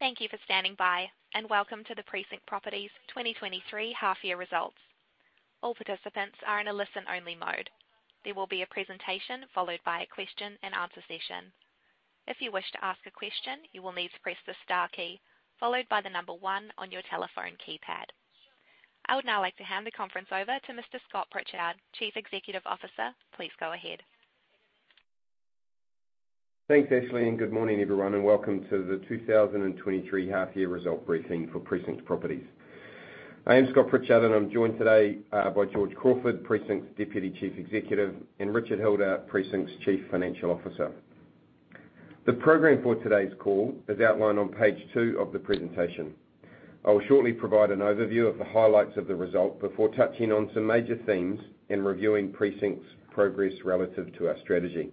Thank you for standing by, welcome to the Precinct Properties 2023 half-year results. All participants are in a listen-only mode. There will be a presentation followed by a question-and-answer session. If you wish to ask a question, you will need to press the star key followed by the number one on your telephone keypad. I would now like to hand the conference over to Mr. Scott Pritchard, Chief Executive Officer. Please go ahead. Thanks, Ashley, good morning, everyone, and welcome to the 2023 half year result briefing for Precinct Properties. I am Scott Pritchard, I'm joined today by George Crawford, Precinct's Deputy Chief Executive, and Richard Hilder, Precinct's Chief Financial Officer. The program for today's call is outlined on page two of the presentation. I will shortly provide an overview of the highlights of the result before touching on some major themes in reviewing Precinct's progress relative to our strategy.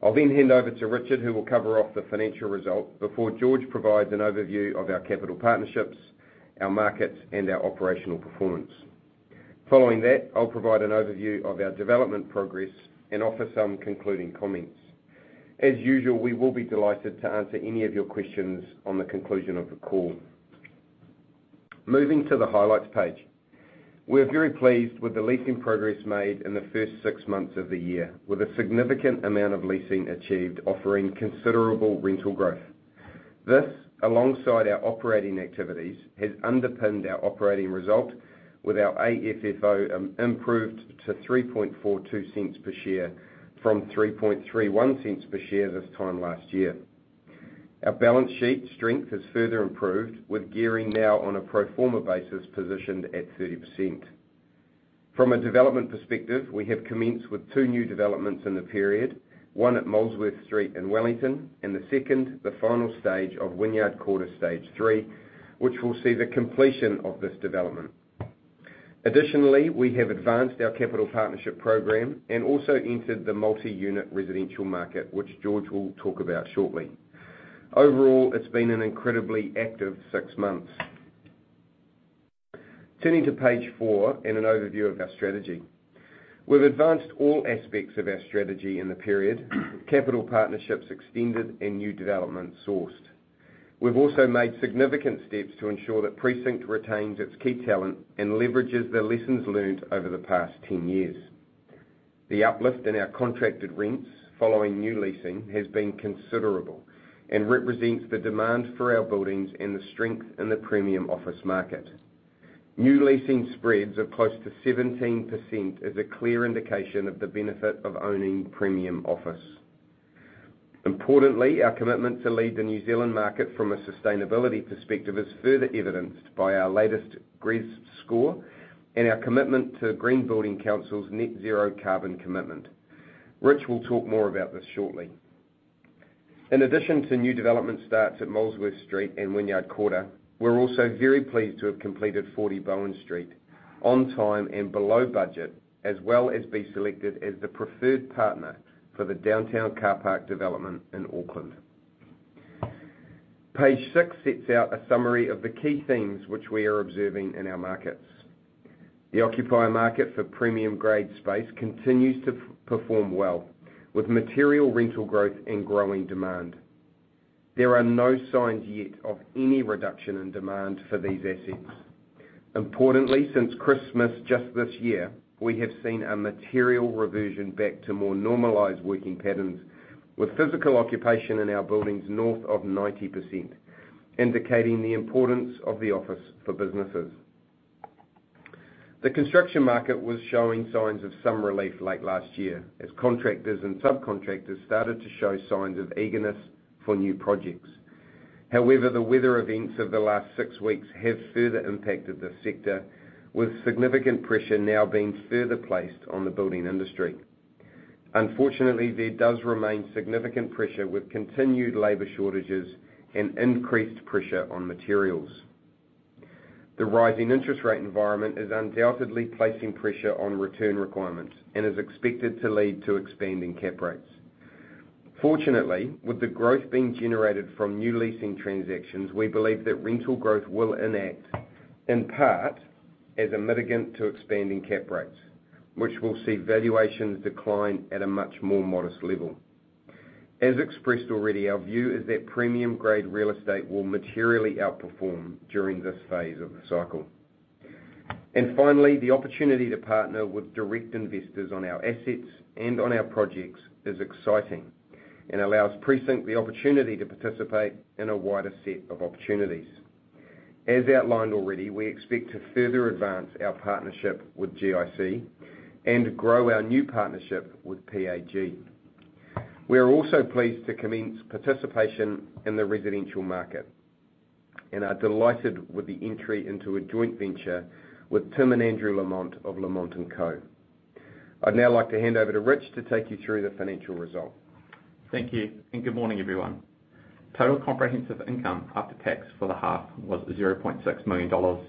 I'll hand over to Richard, who will cover off the financial result before George provides an overview of our capital partnerships, our markets, and our operational performance. Following that, I'll provide an overview of our development progress and offer some concluding comments. As usual, we will be delighted to answer any of your questions on the conclusion of the call. Moving to the highlights page. We are very pleased with the leasing progress made in the first six months of the year, with a significant amount of leasing achieved, offering considerable rental growth. This, alongside our operating activities, has underpinned our operating result with our AFFO improved to 0.0342 per share from 0.0331 per share this time last year. Our balance sheet strength has further improved, with gearing now on a pro forma basis positioned at 30%. From a development perspective, we have commenced with two new developments in the period, one at Molesworth Street in Wellington, and the second, the final stage of Wynyard Quarter Stage 3, which will see the completion of this development. We have advanced our capital partnership program and also entered the multi-unit residential market, which George will talk about shortly. It's been an incredibly active six months. Turning to page four and an overview of our strategy. We've advanced all aspects of our strategy in the period, capital partnerships extended and new developments sourced. We've also made significant steps to ensure that Precinct retains its key talent and leverages the lessons learned over the past 10 years. The uplift in our contracted rents following new leasing has been considerable and represents the demand for our buildings and the strength in the premium office market. New leasing spreads of close to 17% is a clear indication of the benefit of owning premium office. Importantly, our commitment to lead the New Zealand market from a sustainability perspective is further evidenced by our latest GRESB score and our commitment to Green Building Council's net zero carbon commitment. Rich will talk more about this shortly. In addition to new development starts at Molesworth Street and Wynyard Quarter, we're also very pleased to have completed 40 Bowen Street on time and below budget, as well as be selected as the preferred partner for the downtown car park development in Auckland. Page 6 sets out a summary of the key themes which we are observing in our markets. The occupier market for premium grade space continues to perform well, with material rental growth and growing demand. There are no signs yet of any reduction in demand for these assets. Importantly, since Christmas, just this year, we have seen a material reversion back to more normalized working patterns with physical occupation in our buildings north of 90%, indicating the importance of the office for businesses. The construction market was showing signs of some relief late last year as contractors and subcontractors started to show signs of eagerness for new projects. However, the weather events of the last six weeks have further impacted the sector, with significant pressure now being further placed on the building industry. Unfortunately, there does remain significant pressure with continued labor shortages and increased pressure on materials. The rising interest rate environment is undoubtedly placing pressure on return requirements and is expected to lead to expanding cap rates. Fortunately, with the growth being generated from new leasing transactions, we believe that rental growth will enact, in part, as a mitigant to expanding cap rates, which will see valuations decline at a much more modest level. As expressed already, our view is that premium-grade real estate will materially outperform during this phase of the cycle. Finally, the opportunity to partner with direct investors on our assets and on our projects is exciting and allows Precinct the opportunity to participate in a wider set of opportunities. As outlined already, we expect to further advance our partnership with GIC and grow our new partnership with PAG. We are also pleased to commence participation in the residential market and are delighted with the entry into a joint venture with Tim and Andrew Lamont of Lamont & Co. I'd now like to hand over to Rich to take you through the financial result. Thank you, good morning, everyone. Total comprehensive income after tax for the half was 0.6 million dollars.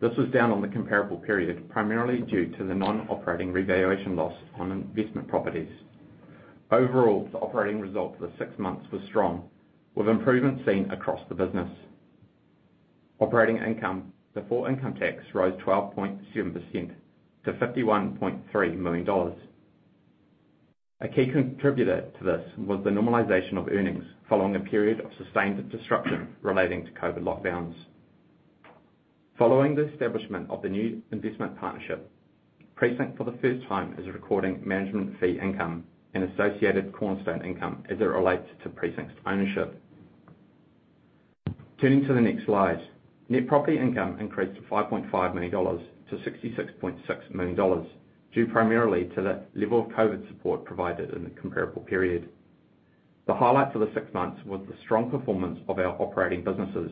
This was down on the comparable period, primarily due to the non-operating revaluation loss on investment properties. Overall, the operating result for six months was strong, with improvement seen across the business. Operating income before income tax rose 12.7% to 51.3 million dollars. A key contributor to this was the normalization of earnings following a period of sustained disruption relating to COVID lockdowns. Following the establishment of the new investment partnership, Precinct for the first time is recording management fee income and associated cornerstone income as it relates to Precinct's ownership. Turning to the next slide. Net property income increased to 5.5 million dollars to 66.6 million dollars, due primarily to the level of COVID support provided in the comparable period. The highlight for the six months was the strong performance of our operating businesses.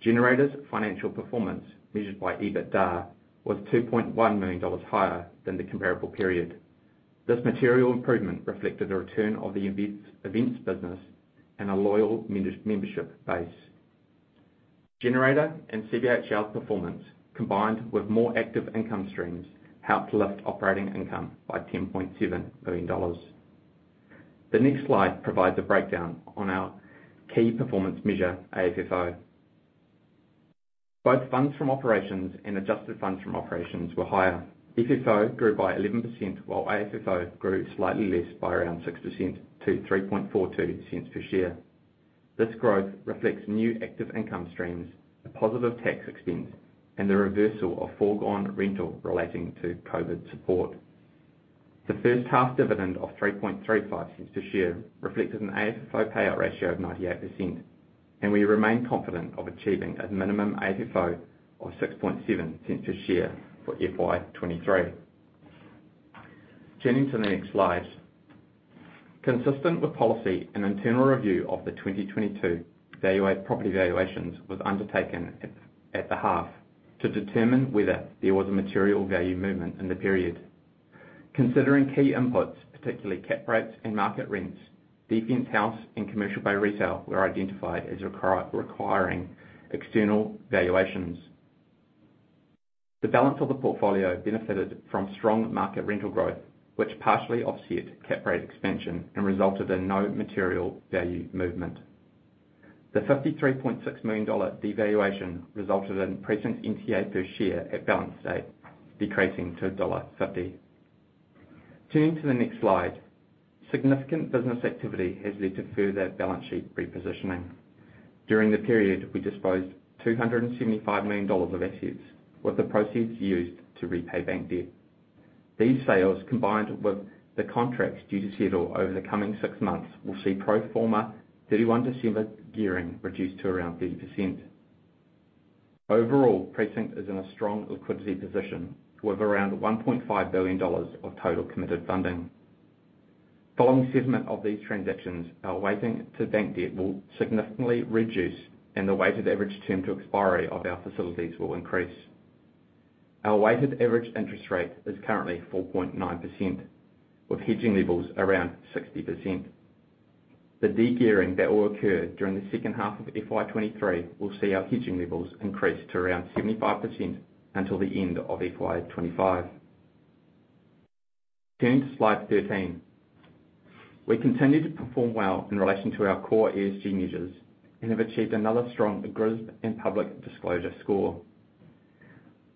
Generator's financial performance, measured by EBITDA, was 2.1 million dollars higher than the comparable period. This material improvement reflected the return of the events business and a loyal membership base. Generator and CBHL's performance, combined with more active income streams, helped lift operating income by 10.7 million dollars. The next slide provides a breakdown on our key performance measure, AFFO. Both funds from operations and adjusted funds from operations were higher. FFO grew by 11%, while AFFO grew slightly less by around 6% to 0.0342 per share. This growth reflects new active income streams, a positive tax expense, and the reversal of foregone rental relating to COVID support. The first half dividend of 0.0335 a share reflected an AFFO payout ratio of 98%, and we remain confident of achieving a minimum AFFO of 0.067 a share for FY23. Turning to the next slides. Consistent with policy, an internal review of the 2022 property valuations was undertaken at the half to determine whether there was a material value movement in the period. Considering key inputs, particularly cap rates and market rents, Defence House and Commercial Bay Retail were identified as requiring external valuations. The balance of the portfolio benefited from strong market rental growth, which partially offset cap rate expansion and resulted in no material value movement. The 53.6 million dollar devaluation resulted in Precinct's NTA per share at balance date decreasing to NZD 1.50. Turning to the next slide. Significant business activity has led to further balance sheet repositioning. During the period, we disposed 275 million dollars of assets with the proceeds used to repay bank debt. These sales, combined with the contracts due to settle over the coming six months, will see pro forma December 31 gearing reduced to around 30%. Overall, Precinct is in a strong liquidity position with around 1.5 billion dollars of total committed funding. Following settlement of these transactions, our weighting to bank debt will significantly reduce and the weighted average term to expiry of our facilities will increase. Our weighted average interest rate is currently 4.9%, with hedging levels around 60%. The degearing that will occur during the second half of FY23 will see our hedging levels increase to around 75% until the end of FY25. Turning to slide 13. We continue to perform well in relation to our core ESG measures and have achieved another strong GRESB and public disclosure score.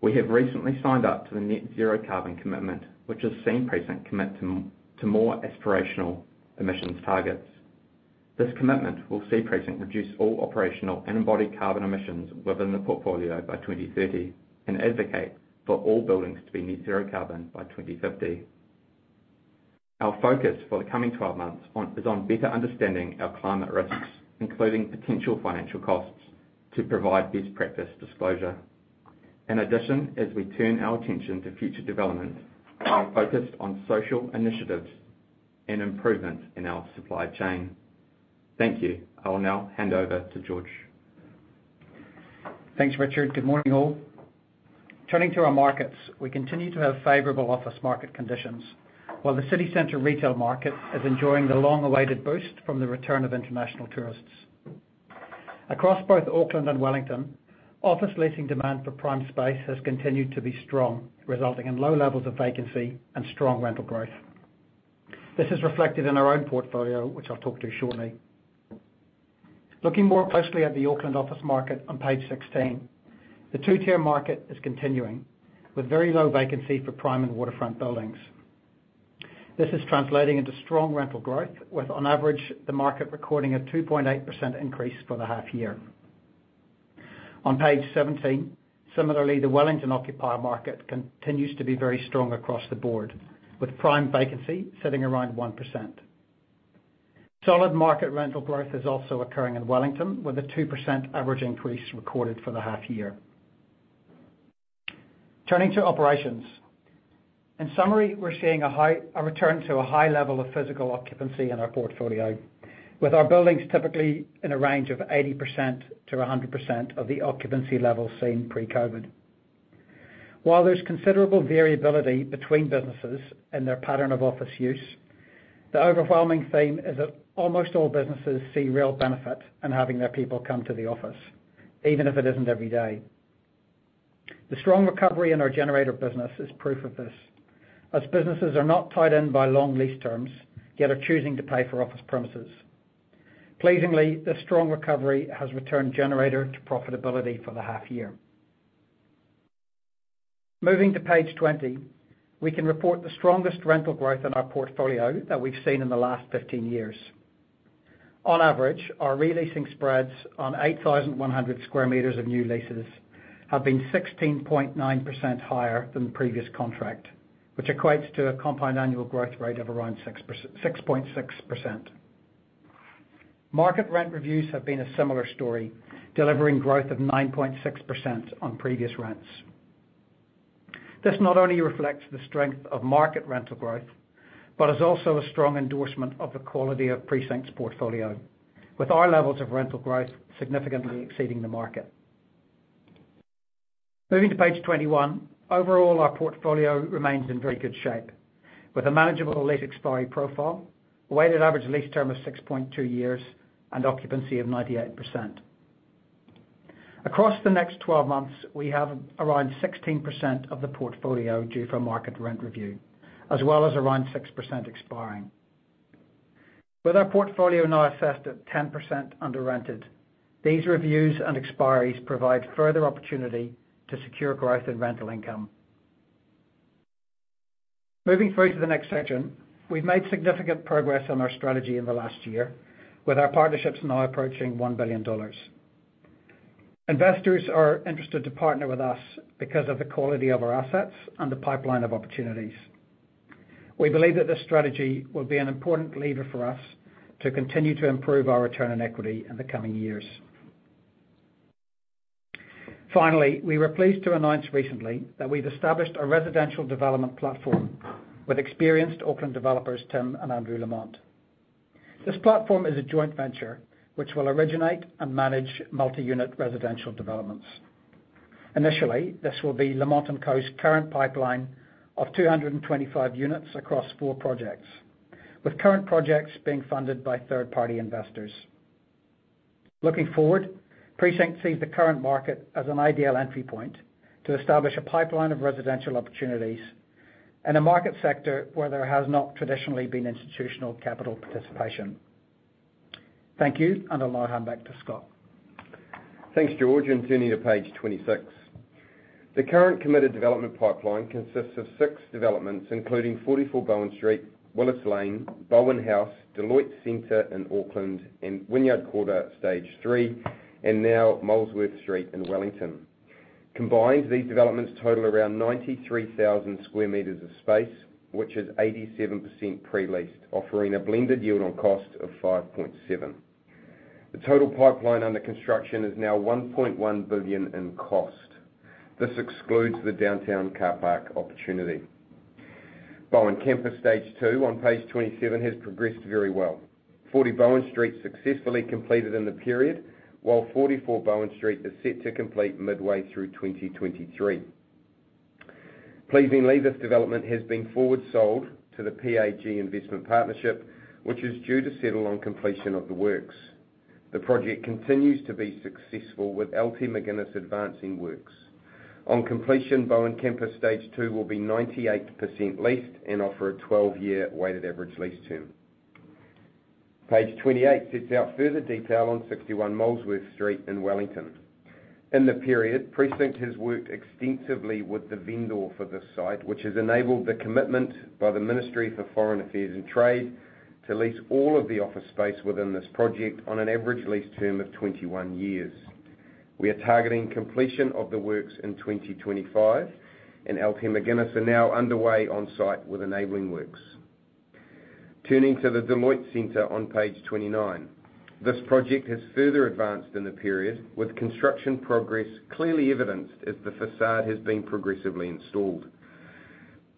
We have recently signed up to the net zero carbon commitment, which has seen Precinct commit to more aspirational emissions targets. This commitment will see Precinct reduce all operational and embodied carbon emissions within the portfolio by 2030 and advocate for all buildings to be net zero carbon by 2050. Our focus for the coming 12 months is on better understanding our climate risks, including potential financial costs to provide best practice disclosure. In addition, as we turn our attention to future development, we are focused on social initiatives and improvement in our supply chain. Thank you. I will now hand over to George. Thanks, Richard. Good morning, all. Turning to our markets. We continue to have favorable office market conditions, while the city center retail market is enjoying the long-awaited boost from the return of international tourists. Across both Auckland and Wellington, office leasing demand for prime space has continued to be strong, resulting in low levels of vacancy and strong rental growth. This is reflected in our own portfolio, which I'll talk to shortly. Looking more closely at the Auckland office market on page 16, the two-tier market is continuing with very low vacancy for prime and waterfront buildings. This is translating into strong rental growth, with on average, the market recording a 2.8% increase for the half year. On page 17, similarly, the Wellington occupier market continues to be very strong across the board, with prime vacancy sitting around 1%. Solid market rental growth is also occurring in Wellington, with a 2% average increase recorded for the half year. Turning to operations. In summary, we're seeing a return to a high level of physical occupancy in our portfolio, with our buildings typically in a range of 80%-100% of the occupancy levels seen pre-COVID. While there's considerable variability between businesses and their pattern of office use, the overwhelming theme is that almost all businesses see real benefit in having their people come to the office, even if it isn't every day. The strong recovery in our Generator business is proof of this, as businesses are not tied in by long lease terms, yet are choosing to pay for office premises. Pleasingly, this strong recovery has returned Generator to profitability for the half year. Moving to page 20, we can report the strongest rental growth in our portfolio that we've seen in the last 15 years. On average, our re-leasing spreads on 8,100 square meters of new leases have been 16.9% higher than the previous contract, which equates to a compound annual growth rate of around 6.6%. Market rent reviews have been a similar story, delivering growth of 9.6% on previous rents. This not only reflects the strength of market rental growth, but is also a strong endorsement of the quality of Precinct's portfolio, with our levels of rental growth significantly exceeding the market. Moving to page 21. Overall, our portfolio remains in very good shape with a manageable lease expiry profile, a weighted average lease term of 6.2 years, and occupancy of 98%. Across the next 12 months, we have around 16% of the portfolio due for market rent review, as well as around 6% expiring. With our portfolio now assessed at 10% under rented, these reviews and expiries provide further opportunity to secure growth in rental income. Moving through to the next section, we've made significant progress on our strategy in the last year with our partnerships now approaching 1 billion dollars. Investors are interested to partner with us because of the quality of our assets and the pipeline of opportunities. We believe that this strategy will be an important lever for us to continue to improve our return on equity in the coming years. Finally, we were pleased to announce recently that we've established a residential development platform with experienced Auckland developers, Tim and Andrew Lamont. This platform is a joint venture which will originate and manage multi-unit residential developments. Initially, this will be Lamont & Co. Current pipeline of 225 units across four projects, with current projects being funded by third-party investors. Looking forward, Precinct sees the current market as an ideal entry point to establish a pipeline of residential opportunities in a market sector where there has not traditionally been institutional capital participation. Thank you, and I'll now hand back to Scott. Thanks, George. Turning to page 26. The current committed development pipeline consists of six developments, including 44 Bowen Street, Willis Lane, Bowen House, Deloitte Centre in Auckland, and Wynyard Quarter Stage 3, and now Molesworth Street in Wellington. Combined, these developments total around 93,000 square meters of space, which is 87% pre-leased, offering a blended yield on cost of 5.7. The total pipeline under construction is now 1.1 billion in cost. This excludes the downtown car park opportunity. Bowen Campus Stage 2 on page 27 has progressed very well. 40 Bowen Street successfully completed in the period, while 44 Bowen Street is set to complete midway through 2023. Pleasingly, this development has been forward sold to the PAG Investment Partnership, which is due to settle on completion of the works. The project continues to be successful with LT McGuinness advancing works. On completion, Bowen Campus Stage 2 will be 98% leased and offer a 12-year weighted average lease term. Page 28 sets out further detail on 61 Molesworth Street in Wellington. In the period, Precinct has worked extensively with the vendor for this site, which has enabled the commitment by the Ministry of Foreign Affairs and Trade to lease all of the office space within this project on an average lease term of 21 years. We are targeting completion of the works in 2025. LT McGuinness are now underway on-site with enabling works. Turning to the Deloitte Centre on page 29. This project has further advanced in the period, with construction progress clearly evidenced as the facade has been progressively installed.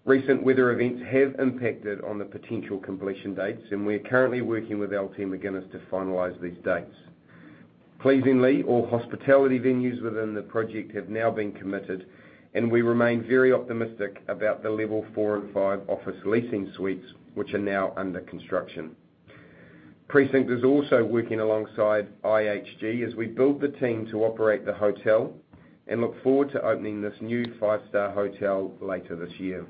Recent weather events have impacted on the potential completion dates. We are currently working with LT McGuinness to finalize these dates. Pleasingly, all hospitality venues within the project have now been committed, and we remain very optimistic about the level 4 and 5 office leasing suites, which are now under construction. Precinct is also working alongside IHG as we build the team to operate the hotel and look forward to opening this new 5-star hotel later this year.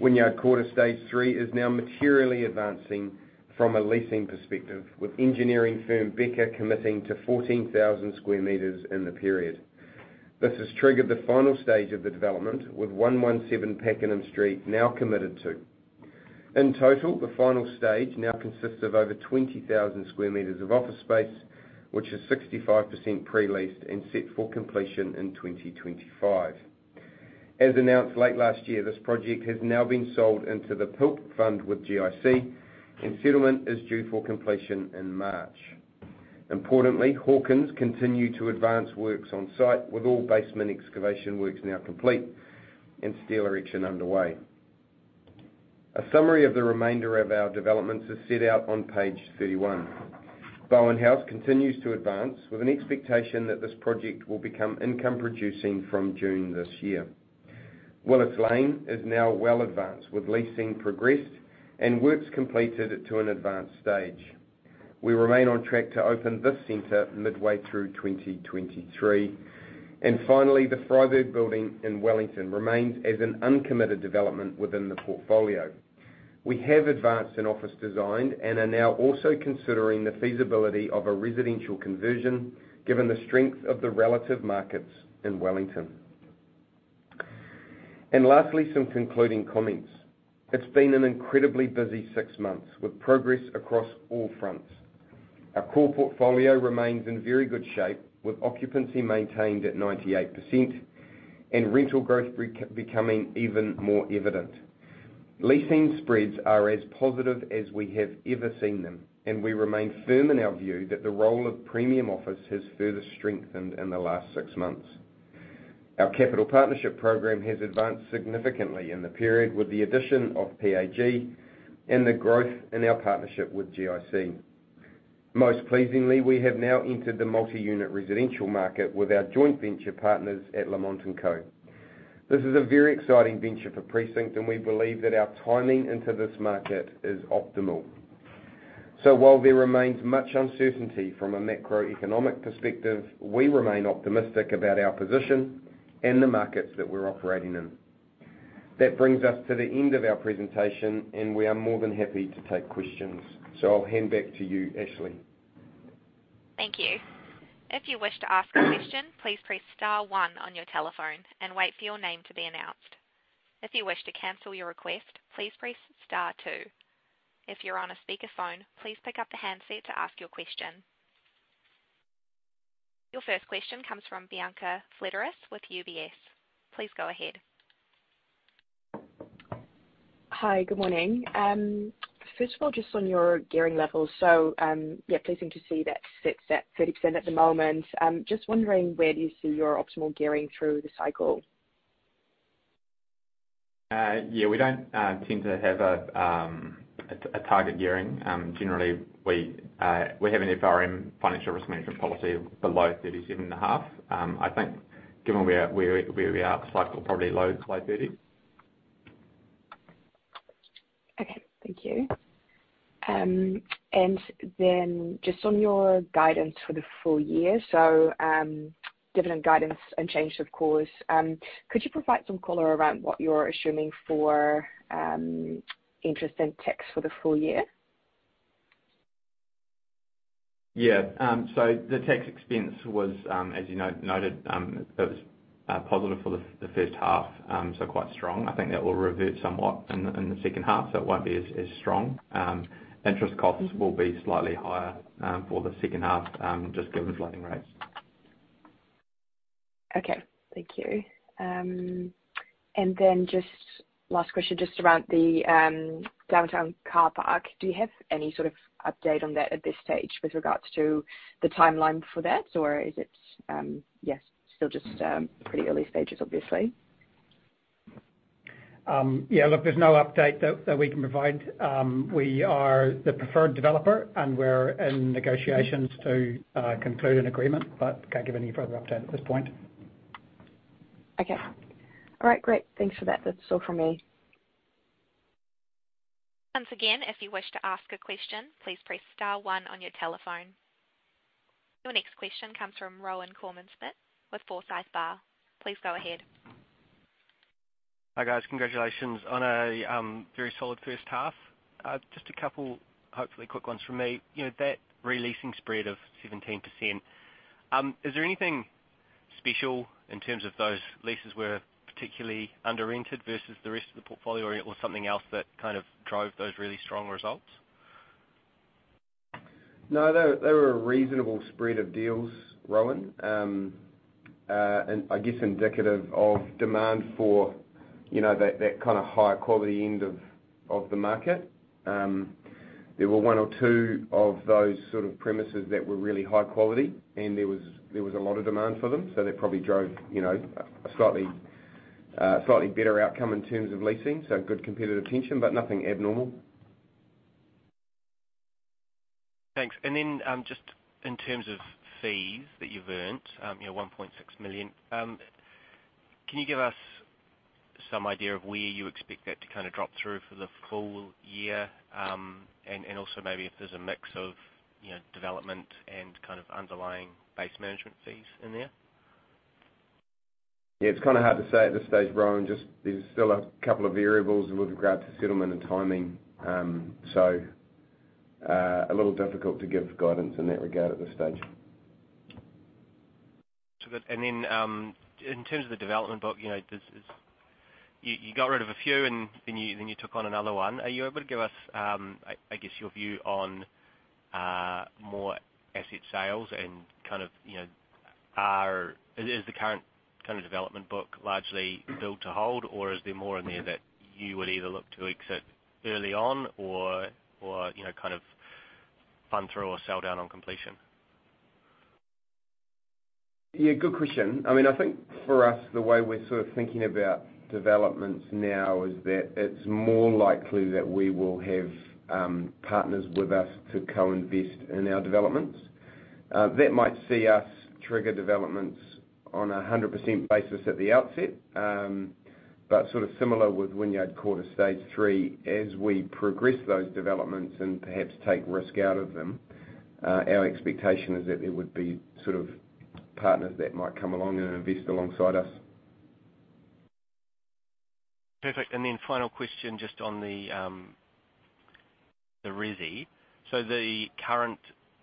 Wynyard Quarter Stage 3 is now materially advancing from a leasing perspective, with engineering firm, Beca, committing to 14,000 square meters in the period. This has triggered the final stage of the development, with 117 Pakenham Street now committed to. In total, the final stage now consists of over 20,000 square meters of office space, which is 65% pre-leased and set for completion in 2025. As announced late last year, this project has now been sold into the PIP Fund with GIC, settlement is due for completion in March. Importantly, Hawkins continue to advance works on-site, with all basement excavation works now complete and steel erection underway. A summary of the remainder of our developments is set out on page 31. Bowen House continues to advance with an expectation that this project will become income-producing from June this year. Willis Lane is now well advanced, with leasing progressed and works completed to an advanced stage. We remain on track to open this center midway through 2023. Finally, the Freyberg Building in Wellington remains as an uncommitted development within the portfolio. We have advanced an office design and are now also considering the feasibility of a residential conversion given the strength of the relative markets in Wellington. Lastly, some concluding comments. It's been an incredibly busy six months with progress across all fronts. Our core portfolio remains in very good shape with occupancy maintained at 98% and rental growth becoming even more evident. Leasing spreads are as positive as we have ever seen them, and we remain firm in our view that the role of premium office has further strengthened in the last six months. Our capital partnership program has advanced significantly in the period with the addition of PAG and the growth in our partnership with GIC. Most pleasingly, we have now entered the multi-unit residential market with our joint venture partners at Lamont & Co. This is a very exciting venture for Precinct, and we believe that our timing into this market is optimal. While there remains much uncertainty from a macroeconomic perspective, we remain optimistic about our position and the markets that we're operating in. That brings us to the end of our presentation, and we are more than happy to take questions. I'll hand back to you, Ashley. Thank you. If you wish to ask a question, please press star one on your telephone and wait for your name to be announced. If you wish to cancel your request, please press star two. If you're on a speakerphone, please pick up the handset to ask your question. Your first question comes from Bianca Fledderus with UBS. Please go ahead. Hi, good morning. First of all, just on your gearing levels. Yeah, pleasing to see that it's at 30% at the moment. Just wondering, where do you see your optimal gearing through the cycle? Yeah, we don't tend to have a target gearing. Generally, we have an FRM financial risk management policy below 37.5%. I think given where we are, the cycle probably low thirties. Okay. Thank you. Just on your guidance for the full year, dividend guidance unchanged. Could you provide some color around what you're assuming for interest in tax for the full year? The tax expense was, as you know-noted, it was positive for the first half, so quite strong. I think that will revert somewhat in the second half, so it won't be as strong. Interest costs will be slightly higher, for the second half, just given floating rates. Okay. Thank you. Just last question, just around the downtown car park. Do you have any sort of update on that at this stage with regards to the timeline for that, or is it, yes, still just pretty early stages, obviously? Yeah, look, there's no update that we can provide. We are the preferred developer, and we're in negotiations to conclude an agreement, but can't give any further update at this point. Okay. All right, great. Thanks for that. That's all from me. Once again, if you wish to ask a question, please press star one on your telephone. Your next question comes from Rohan Koreman-Smit with Forsyth Barr. Please go ahead. Hi, guys. Congratulations on a very solid first half. Just a couple, hopefully quick ones from me. You know, that re-leasing spread of 17%, is there anything special in terms of those leases were particularly under rented versus the rest of the portfolio, or something else that kind of drove those really strong results? They were a reasonable spread of deals, Rohan. I guess indicative of demand for, you know, that kinda higher quality end of the market. There were one or two of those sort of premises that were really high quality, there was a lot of demand for them, so they probably drove, you know, a slightly better outcome in terms of leasing, so good competitive tension, nothing abnormal. Thanks. Just in terms of fees that you've earned, you know, 1.6 million. Can you give us some idea of where you expect that to kinda drop through for the full year? Also maybe if there's a mix of, you know, development and kind of underlying base management fees in there. It's kinda hard to say at this stage, Rohan. There's still a couple of variables with regards to settlement and timing. A little difficult to give guidance in that regard at this stage. Too good. In terms of the development book, you know, you got rid of a few and then you took on another one. Are you able to give us, I guess, your view on more asset sales and kind of, you know, is the current kind of development book largely built to hold, or is there more in there that you would either look to exit early on or, you know, kind of fund through or sell down on completion? Yeah, good question. I mean, I think for us, the way we're sort of thinking about developments now is that it's more likely that we will have partners with us to co-invest in our developments. That might see us trigger developments on a 100% basis at the outset. Sort of similar with Wynyard Quarter Stage 3, as we progress those developments and perhaps take risk out of them, our expectation is that there would be sort of partners that might come along and invest alongside us. Perfect. Final question, just on the resi? The current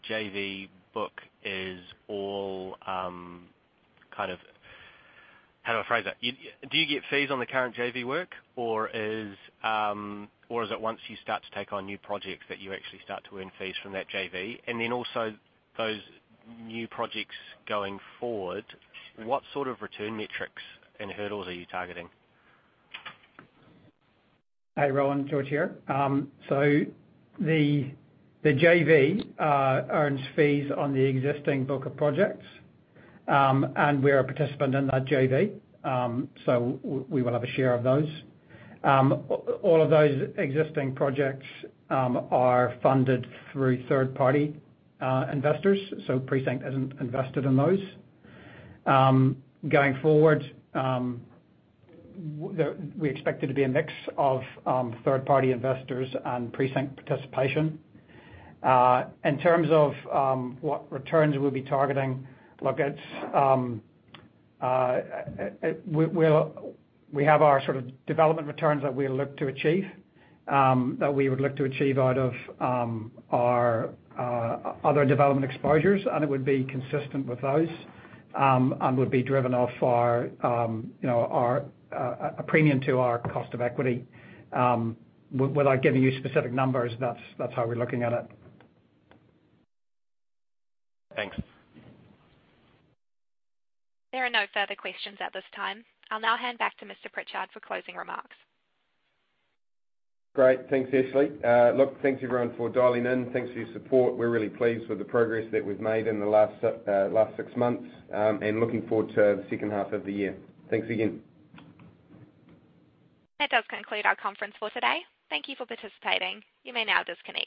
JV book is all, how do I phrase that? Do you get fees on the current JV work, or is it once you start to take on new projects that you actually start to earn fees from that JV? Also, those new projects going forward, what sort of return metrics and hurdles are you targeting? Hey, Rohan, George here. The JV earns fees on the existing book of projects. We're a participant in that JV, we will have a share of those. All of those existing projects are funded through third party investors, Precinct isn't invested in those. Going forward, we expect there to be a mix of third party investors and Precinct participation. In terms of what returns we'll be targeting, look, it's, we have our sort of development returns that we look to achieve, that we would look to achieve out of our other development exposures, it would be consistent with those, and would be driven off our, you know, our a premium to our cost of equity. without giving you specific numbers, that's how we're looking at it. Thanks. There are no further questions at this time. I'll now hand back to Mr. Pritchard for closing remarks. Great. Thanks, Ashley. look, thank you everyone for dialing in. Thanks for your support. We're really pleased with the progress that we've made in the last six months, looking forward to the second half of the year. Thanks again. That does conclude our conference for today. Thank you for participating. You may now disconnect.